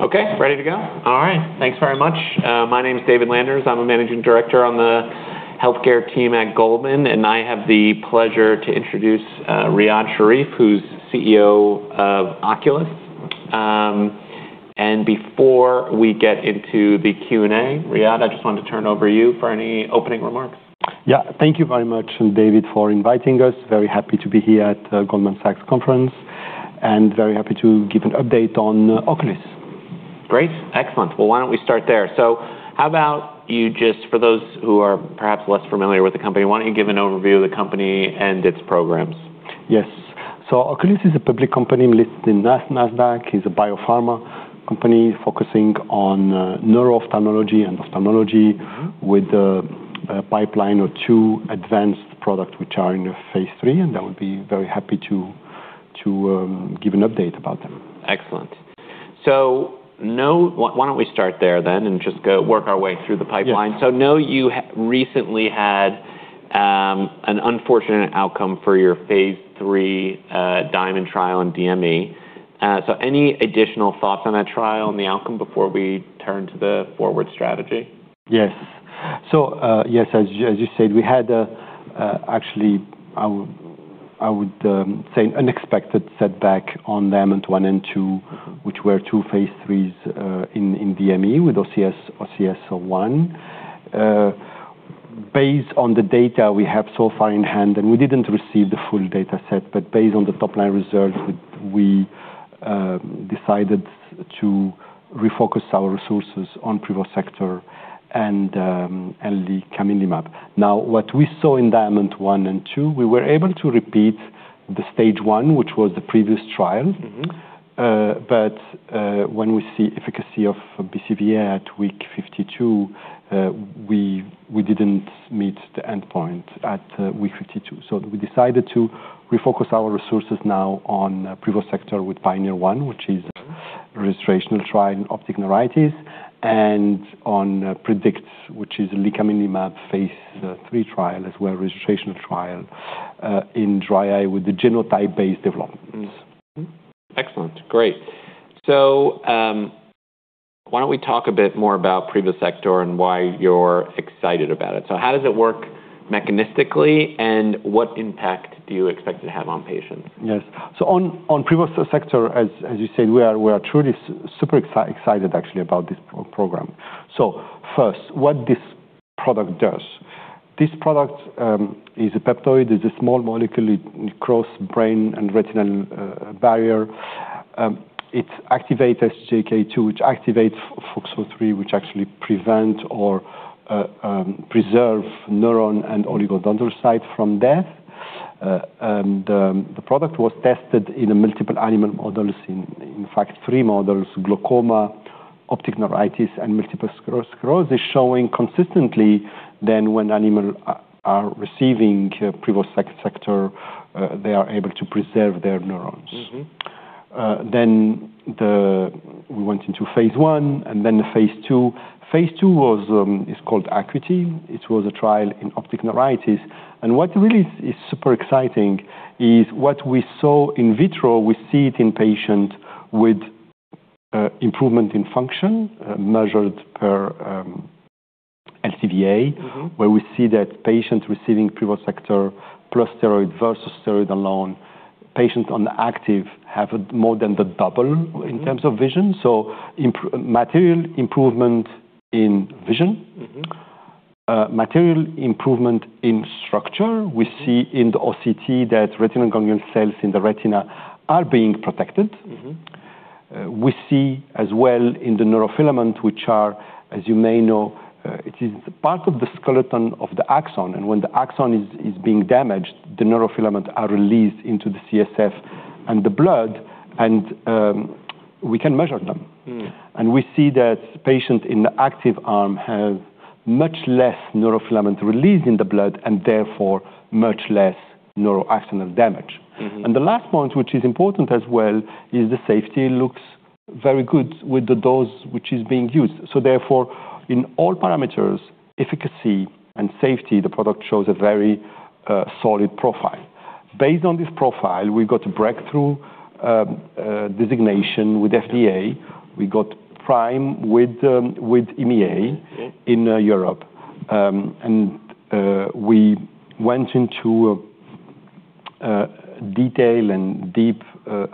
Okay, ready to go? All right. Thanks very much. My name is David Landers. I'm a Managing Director on the healthcare team at Goldman, and I have the pleasure to introduce Riad Sherif, who's Chief Executive Officer of Oculis. Before we get into the Q&A, Riad, I just wanted to turn over you for any opening remarks. Thank you very much, David, for inviting us. Very happy to be here at Goldman Sachs conference, very happy to give an update on Oculis. Great. Excellent. Well, why don't we start there? How about you just for those who are perhaps less familiar with the company, why don't you give an overview of the company and its programs? Yes. Oculis is a public company listed in NASDAQ. It's a biopharma company focusing on neuro-ophthalmology and ophthalmology with a pipeline or two advanced products which are in phase III, I would be very happy to give an update about them. Excellent. why don't we start there then and just work our way through the pipeline? Yeah. Know you recently had an unfortunate outcome for your phase III DIAMOND trial on DME. any additional thoughts on that trial and the outcome before we turn to the forward strategy? Yes. yes, as you said we had actually I would say, unexpected setback on DIAMOND 1 and 2, which were two phase IIIs in DME with OCS-01. Based on the data we have so far in hand, and we didn't receive the full data set, but based on the top-line results, we decided to refocus our resources on Privosegtor and the licaminlimab. what we saw in DIAMOND 1 and 2, we were able to repeat the Stage 1, which was the previous trial. When we see efficacy of BCVA at week 52, we didn't meet the endpoint at week 52. we decided to refocus our resources now on Privosegtor with PIONEER-1, which is a registrational trial in optic neuritis, and on PREDICT-1, which is a Licaminlimab phase III trial, as well, registrational trial, in dry eye with the genotype-based development. Mm-hmm. Excellent. Great. Why don't we talk a bit more about Privosegtor and why you're excited about it? How does it work mechanistically, and what impact do you expect to have on patients? Yes. On Privosegtor, as you said, we are truly super excited, actually, about this program. First, what this product does. This product is a peptoid. It's a small molecule. It cross brain and retinal barrier. It activates JAK2, which activates FOXO3, which actually prevent or preserve neuron and oligodendrocyte from death. The product was tested in multiple animal models, in fact, three models: glaucoma, optic neuritis, and multiple sclerosis, showing consistently then when animal are receiving Privosegtor, they are able to preserve their neurons. We went into phase I and phase II phase II is called ACUITY. It was a trial in optic neuritis. What really is super exciting is what we saw in vitro, we see it in patient with improvement in function measured per LCVA. Where we see that patients receiving Privosegtor plus steroid versus steroid alone, patients on active have more than the double. In terms of vision. Material improvement in vision. Material improvement in structure. We see in the OCT that retinal ganglion cells in the retina are being protected. We see as well in the neurofilament, which are, as you may know, it is part of the skeleton of the axon, and when the axon is being damaged, the neurofilament are released into the CSF and the blood, and we can measure them. We see that patients in the active arm have much less neurofilament released in the blood, and therefore, much less neuroaxonal damage. The last point, which is important as well, is the safety looks very good with the dose which is being used. Therefore, in all parameters, efficacy, and safety, the product shows a very solid profile. Based on this profile, we got a Breakthrough designation with FDA. We got PRIME with EMEA in Europe. We went into a detail and deep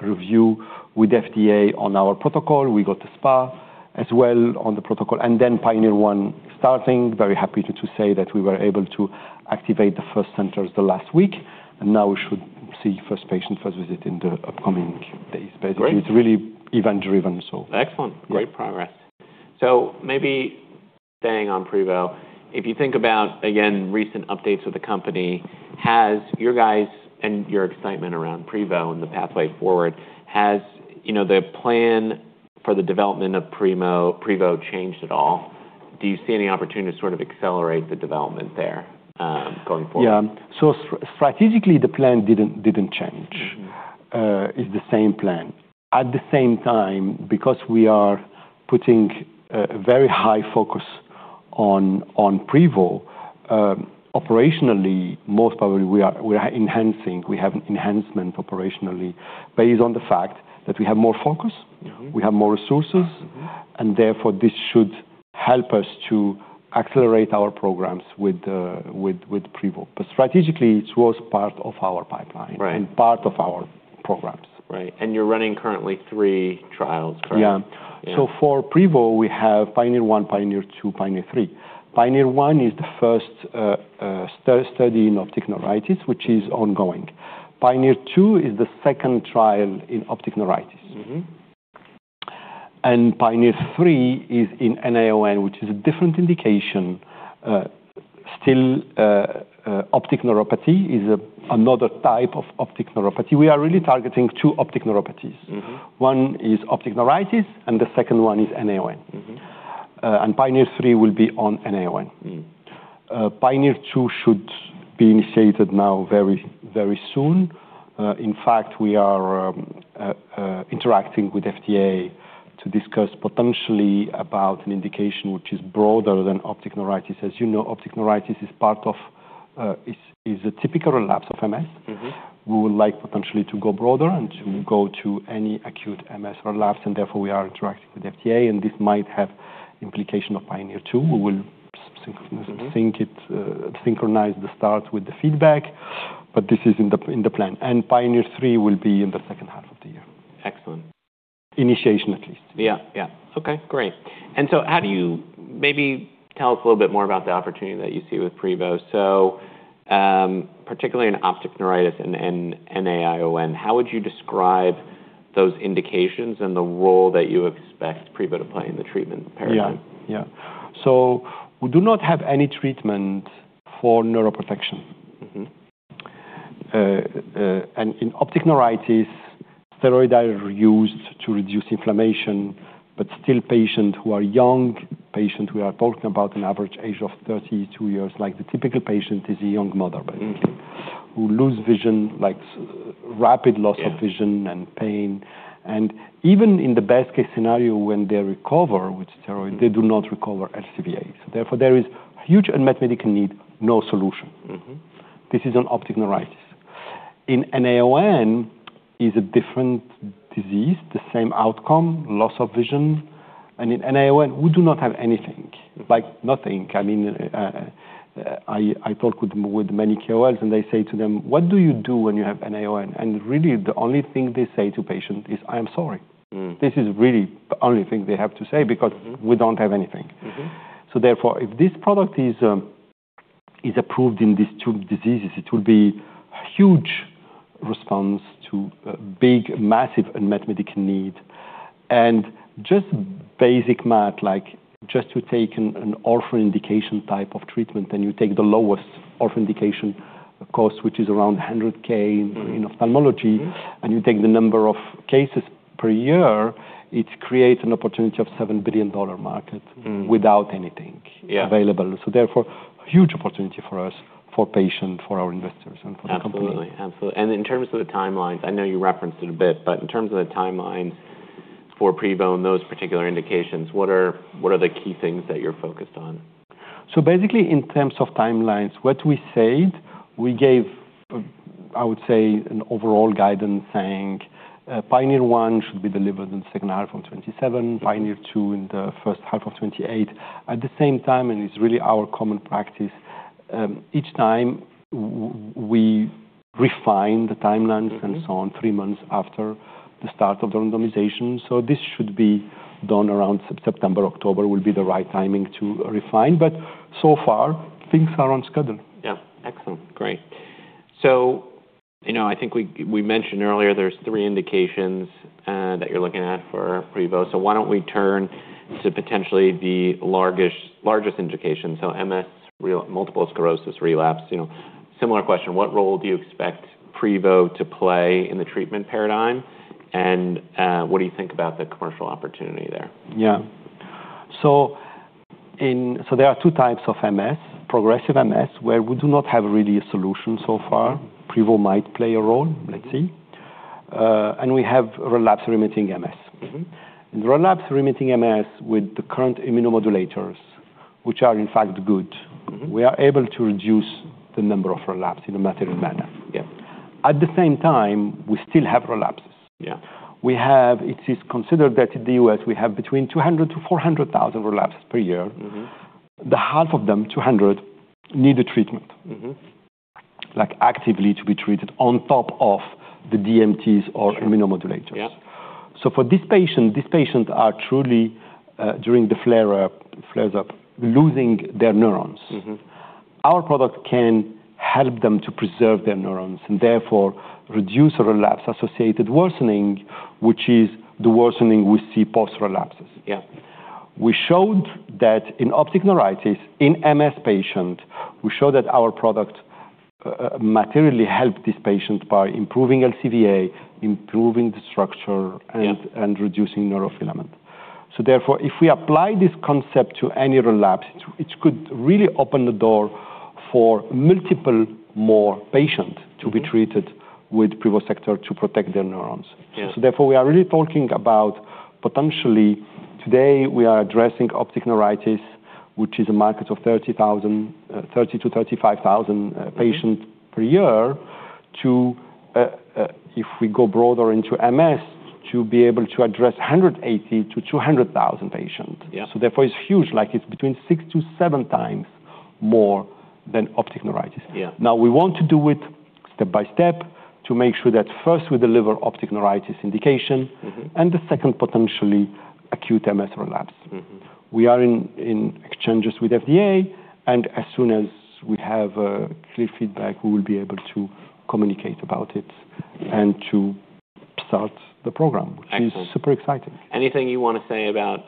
review with FDA on our protocol. We got the SPA as well on the protocol, then PIONEER-1 starting. Very happy to say that we were able to activate the first centers the last week, and now we should see first patient, first visit in the upcoming days. Great. It's really event driven. Excellent. Great progress. Maybe staying on Privosegtor. If you think about, again, recent updates with the company, has your guys' and your excitement around Privosegtor and the pathway forward, has the plan for the development of Privosegtor changed at all? Do you see any opportunity to sort of accelerate the development there going forward? Yeah. Strategically, the plan didn't change. It's the same plan. At the same time, because we are putting a very high focus on Privosegtor, operationally, most probably we are enhancing. We have enhancement operationally based on the fact that we have more focus. We have more resources. Therefore this should help us to accelerate our programs with Privosegtor. Strategically, it was part of our pipeline. Right Part of our programs. Right. You're running currently three trials, correct? Yeah. Yeah. For Privosegtor, we have PIONEER 1, PIONEER 2, PIONEER 3. PIONEER 1 is the first study in optic neuritis, which is ongoing. PIONEER 2 is the second trial in optic neuritis. PIONEER 3 is in NAION, which is a different indication. Still, optic neuropathy is another type of optic neuropathy. We are really targeting two optic neuropathies. One is optic neuritis, and the second one is NAION. PIONEER-3 will be on NAION. PIONEER-2 should be initiated now very soon. In fact, we are interacting with FDA to discuss potentially about an indication which is broader than optic neuritis. As you know, optic neuritis is a typical relapse of MS. We would like potentially to go broader and to go to any acute MS relapse, therefore we are interacting with FDA, and this might have implication of PIONEER-2. We will synchronize the start with the feedback, but this is in the plan. PIONEER-3 will be in the second half of the year. Excellent. Initiation, at least. Okay, great. How do you Maybe tell us a little bit more about the opportunity that you see with Privosegtor. Particularly in optic neuritis and NAION, how would you describe those indications and the role that you expect Privosegtor to play in the treatment paradigm? We do not have any treatment for neuroprotection. In optic neuritis, steroids are used to reduce inflammation, but still patient who are young, we are talking about an average age of 32 years, like the typical patient is a young mother who lose vision, rapid loss of vision and pain. Even in the best-case scenario, when they recover with steroid, they do not recover LCVA. Therefore, there is huge unmet medical need, no solution. This is on optic neuritis. In NAION is a different disease, the same outcome, loss of vision. In NAION, we do not have anything, like nothing. I talked with many KOLs, and I say to them, "What do you do when you have NAION?" Really the only thing they say to patient is, "I am sorry. This is really the only thing they have to say because we don't have anything. Therefore, if this product is approved in these two diseases, it will be a huge response to a big, massive unmet medical need. Just basic math, like just you take an orphan indication type of treatment and you take the lowest orphan indication cost, which is around $100,000 in ophthalmology, and you take the number of cases per year, it creates an opportunity of $7 billion market. Without anything available. Therefore, a huge opportunity for us, for patients, for our investors, and for the company. Absolutely. In terms of the timelines, I know you referenced it a bit, but in terms of the timelines for Privosegtor and those particular indications, what are the key things that you're focused on? Basically, in terms of timelines, what we said, we gave, I would say, an overall guidance saying PIONEER-1 should be delivered in the second half of 2027, PIONEER-2 in the first half of 2028. At the same time, and it's really our common practice, each time we refine the timelines and so on three months after the start of the randomization. This should be done around September. October will be the right timing to refine. So far, things are on schedule. Yeah. Excellent. Great. I think we mentioned earlier there's three indications that you're looking at for Privosegtor. Why don't we turn to potentially the largest indication, MS, multiple sclerosis relapse. Similar question, what role do you expect Privosegtor to play in the treatment paradigm? What do you think about the commercial opportunity there? Yeah. There are two types of MS, progressive MS, where we do not have really a solution so far. Privosegtor might play a role. Let's see. We have relapsing-remitting MS. In relapsing-remitting MS, with the current immunomodulators, which are in fact good. We are able to reduce the number of relapses in a material manner. Yeah. At the same time, we still have relapses. Yeah. It is considered that in the U.S., we have between 200,000-400,000 relapses per year. The half of them, 200,000, need a treatment. Like actively to be treated on top of the DMTs or immunomodulators. Yeah. For this patient, these patients are truly, during the flares up, losing their neurons. Our product can help them to preserve their neurons and therefore reduce relapse-associated worsening, which is the worsening we see post relapses. Yeah. We showed that in optic neuritis, in MS patient, we show that our product materially help this patient by improving LCVA, improving the structure and reducing neurofilament. Therefore, if we apply this concept to any relapse, it could really open the door for multiple more patients to be treated with Privosegtor to protect their neurons. Yeah. Therefore, we are really talking about potentially today we are addressing optic neuritis, which is a market of 30,000-35,000 patients per year, to, if we go broader into MS, to be able to address 180,000-200,000 patients. Yeah. Therefore, it is huge. It is between six to seven times more than optic neuritis. Yeah. We want to do it step by step to make sure that first we deliver optic neuritis indication. The second potentially acute MS relapse. We are in exchanges with FDA, and as soon as we have clear feedback, we will be able to communicate about it and to start the program. Excellent Which is super exciting. Anything you want to say about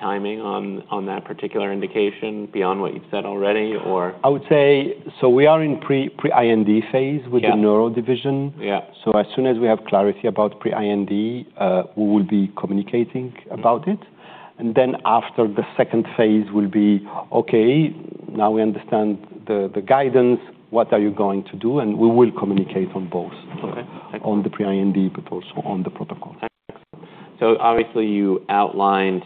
timing on that particular indication beyond what you've said already, or? I would say, we are in pre-IND phase with- Yeah The neuro division. Yeah. As soon as we have clarity about pre-IND, we will be communicating about it. Then after the phase II will be, okay, now we understand the guidance. What are you going to do? We will communicate on both. Okay. Excellent. On the pre-IND, also on the protocol. Excellent. Obviously you outlined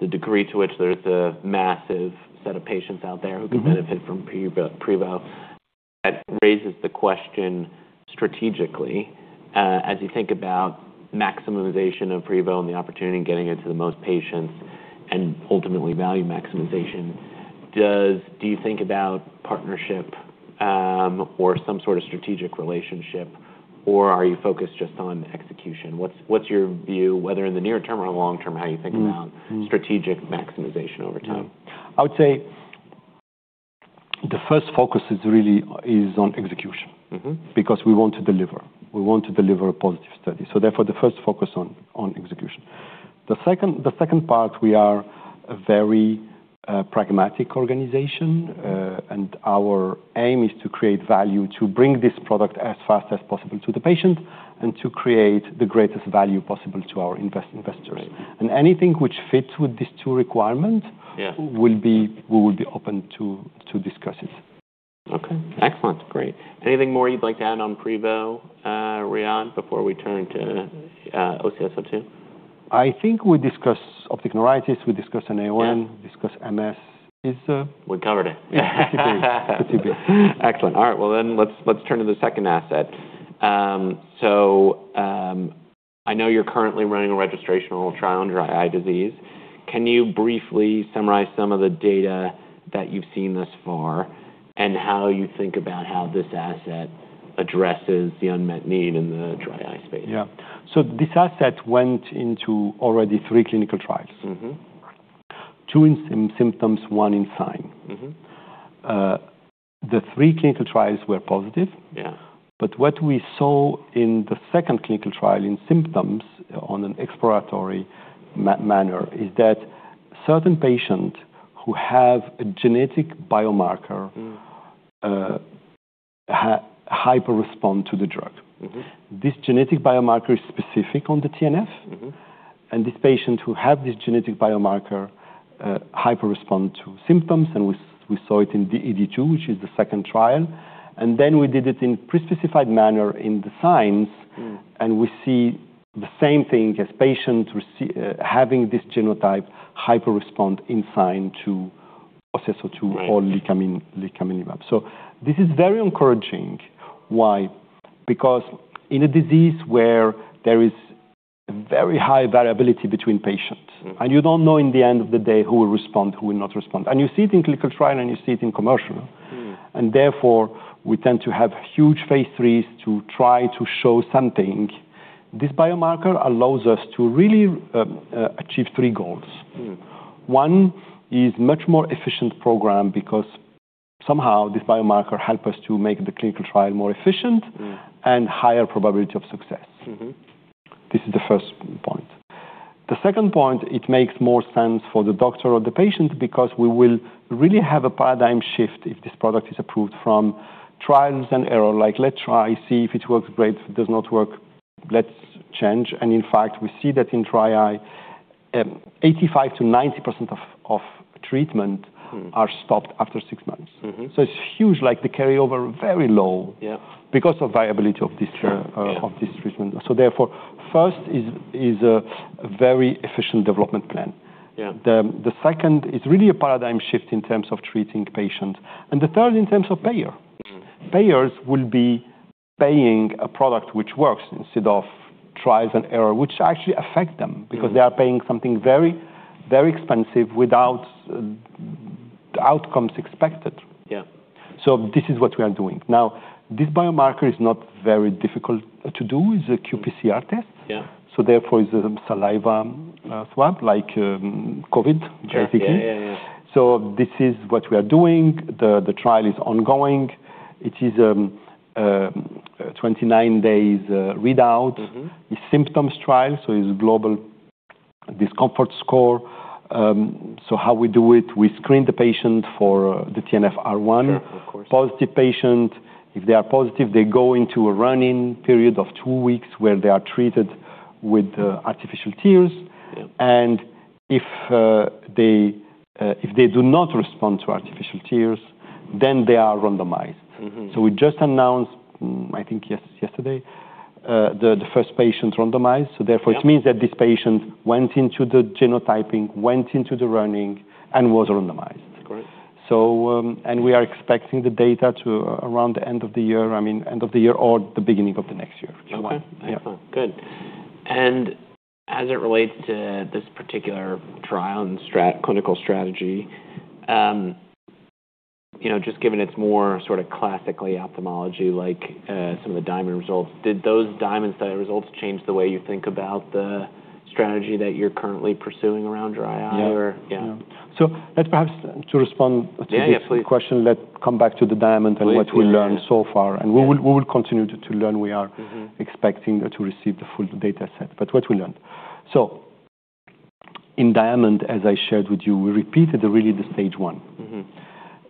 the degree to which there is a massive set of patients out there. Benefit from Privosegtor. That raises the question strategically, as you think about maximization of Privosegtor and the opportunity in getting it to the most patients and ultimately value maximization. Do you think about partnership, or some sort of strategic relationship, or are you focused just on execution? What's your view, whether in the near term or long term, how you think about strategic maximization over time? Yeah. I would say the first focus is really on execution. We want to deliver. We want to deliver a positive study. Therefore, the first focus on execution. The second part, we are a very pragmatic organization. Our aim is to create value, to bring this product as fast as possible to the patient, and to create the greatest value possible to our investors. Great. Anything which fits with these two requirements. Yeah We would be open to discuss it. Okay. Excellent. Great. Anything more you'd like to add on Privosegtor, Riad, before we turn to OCS-02? I think we discussed optic neuritis, we discussed NAION. Yeah. Discussed MS. We covered it. Yeah. Pretty good. Excellent. All right, let's turn to the second asset. I know you're currently running a registrational trial on dry eye disease. Can you briefly summarize some of the data that you've seen thus far and how you think about how this asset addresses the unmet need in the dry eye space? Yeah. This asset went into already three clinical trials. Two in symptoms, one in sign. The three clinical trials were positive. Yeah. What we saw in the second clinical trial in symptoms on an exploratory manner is that certain patient who have a genetic biomarker hyper respond to the drug. This genetic biomarker is specific on the TNF. This patient who have this genetic biomarker hyper respond to symptoms, we saw it in DD2, which is the second trial. We did it in pre-specified manner in the signs. We see the same thing as patient having this genotype hyper respond in sign to OCS-02 or Licaminlimab. This is very encouraging. Why? Because in a disease where there is very high variability between patients You don't know in the end of the day who will respond, who will not respond. You see it in clinical trial, you see it in commercial. Therefore, we tend to have huge phase III to try to show something. This biomarker allows us to really achieve three goals. One is much more efficient program because somehow this biomarker help us to make the clinical trial more efficient- Higher probability of success. This is the first point. The second point. It makes more sense for the doctor or the patient because we will really have a paradigm shift if this product is approved from trials and error. Like, let's try, see if it works great. If it does not work, let's change. In fact, we see that in trial, 85%-90% of treatment- are stopped after six months. It's huge, like the carryover, very low. Yeah Because of viability of this treatment. Sure. Yeah. Therefore, first is a very efficient development plan. Yeah. The second is really a paradigm shift in terms of treating patients, and the third in terms of payer. Payers will be paying a product which works instead of trials and error, which actually affect them. They are paying something very, very expensive without outcomes expected. Yeah. This is what we are doing. Now, this biomarker is not very difficult to do. It is a qPCR test. Yeah. Therefore, it's a saliva swab like COVID basically. Yeah. Yeah. This is what we are doing. The trial is ongoing. It is a 29 days readout. The symptoms trial, it's global discomfort score. How we do it, we screen the patient for the TNFR1. Sure. Of course. Positive patient, if they are positive, they go into a run-in period of two weeks where they are treated with artificial tears. Yeah. If they do not respond to artificial tears, they are randomized. We just announced, I think yesterday, the first patient randomized. Yeah. Therefore, it means that this patient went into the genotyping, went into the running, and was randomized. Of course. We are expecting the data around the end of the year, I mean, end of the year or the beginning of the next year. Okay. Excellent. Good. As it relates to this particular trial and clinical strategy, just given it's more classically ophthalmology, like some of the DIAMOND results, did those DIAMOND study results change the way you think about the strategy that you're currently pursuing around dry eye? Yeah. Yeah. Let's perhaps to respond to this. Yeah. Yeah, please. Question, let's come back to the DIAMOND and what we learned so far. Please. Yeah. We will continue to learn. Expecting to receive the full data set. What we learned. In DIAMOND, as I shared with you, we repeated really the Stage 1.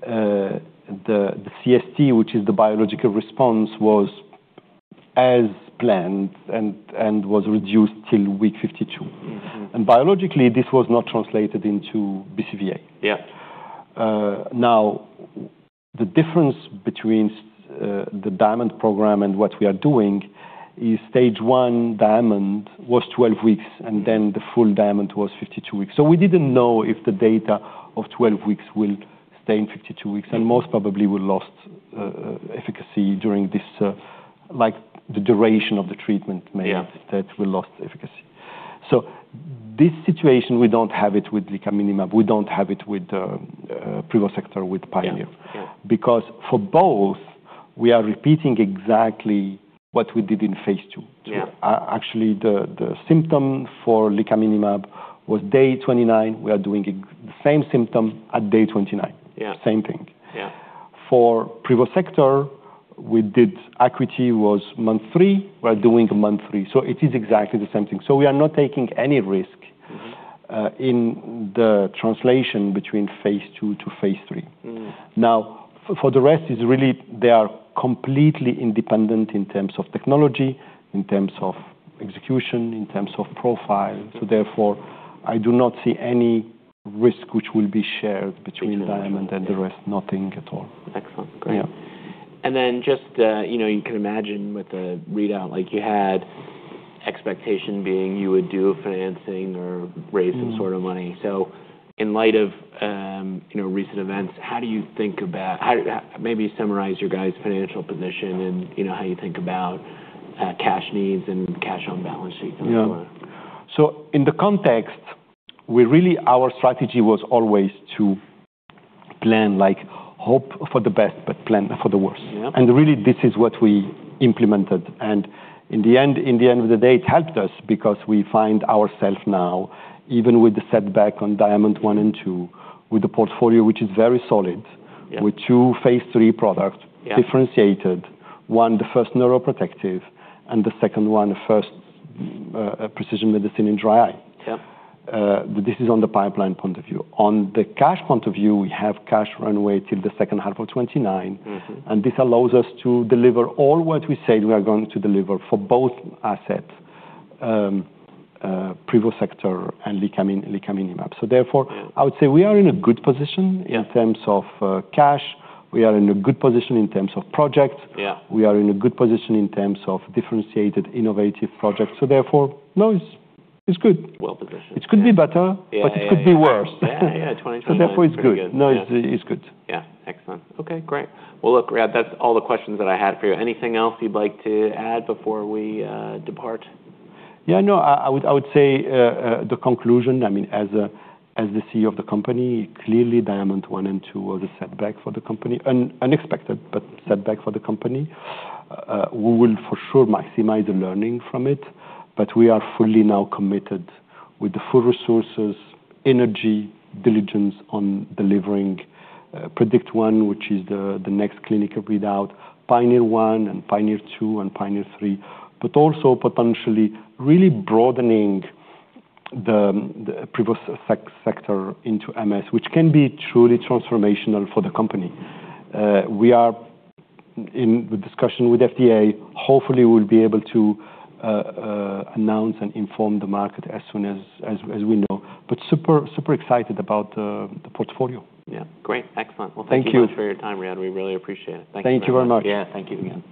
The CST, which is the biological response, was as planned and was reduced till week 52. Biologically, this was not translated into BCVA. Yeah. The difference between the DIAMOND program and what we are doing is Stage 1 DIAMOND was 12 weeks, then the full DIAMOND was 52 weeks. We didn't know if the data of 12 weeks will stay in 52 weeks, and most probably we lost efficacy during this. Yeah That we lost efficacy. This situation, we don't have it with Licaminlimab. We don't have it with Privosegtor with PIONEER. Yeah. Cool. For both, we are repeating exactly what we did in phase II. Yeah. Actually, the symptom for Licaminlimab was day 29. We are doing the same symptom at day 29. Yeah. Same thing. Yeah. For Privosegtor, we did ACUITY was month three. We are doing month three. It is exactly the same thing. We are not taking any risk. In the translation between phase II to phase III. For the rest, is really they are completely independent in terms of technology, in terms of execution, in terms of profile. Therefore, I do not see any risk which will be shared between DIAMOND and the rest, nothing at all. Excellent. Great. Yeah. Just you can imagine with the readout, you had expectation being you would do a financing or raise some sort of money. In light of recent events, maybe summarize your guys' financial position and how you think about cash needs and cash on balance sheet going forward? Yeah. In the context, our strategy was always to plan, hope for the best, but plan for the worst. Yeah. Really, this is what we implemented. In the end of the day, it helped us because we find ourself now, even with the setback on DIAMOND 1 and 2, with a portfolio which is very solid. Yeah With two phase III product. Yeah Differentiated. One, the first neuroprotective, and the second one, the first precision medicine in dry eye. Yeah. This is on the pipeline point of view. On the cash point of view, we have cash runway till the second half of 2029. This allows us to deliver all what we said we are going to deliver for both assets, Privosegtor and Licaminlimab. Yeah I would say we are in a good position. Yeah In terms of cash. We are in a good position in terms of project. Yeah. We are in a good position in terms of differentiated, innovative projects. Therefore, no, it's good. Well-positioned. Yeah. It could be better- Yeah. Yeah It could be worse. Yeah. Yeah. 2024 is pretty good. Therefore, it's good. No, it's good. Yeah. Excellent. Okay, great. Well, look, Riad, that's all the questions that I had for you. Anything else you'd like to add before we depart? I would say the conclusion, as the Chief Executive Officer of the company, clearly DIAMOND 1 and 2 were the setback for the company, unexpected, but setback for the company. We will for sure maximize the learning from it. We are fully now committed with the full resources, energy, diligence on delivering PREDICT-1, which is the next clinical readout, PIONEER-1 and PIONEER-2 and PIONEER-3, but also potentially really broadening the Privosegtor into MS, which can be truly transformational for the company. We are in the discussion with FDA. Hopefully, we'll be able to announce and inform the market as soon as we know. Super excited about the portfolio. Great. Excellent. Thank you. Thank you much for your time, Riad. We really appreciate it. Thank you very much. Thank you very much. Yeah. Thank you again.